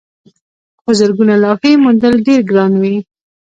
خو زرګونه لوحې موندل ډېر ګران وي.